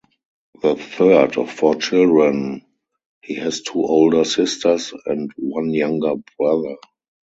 The third of four children, he has two older sisters and one younger brother.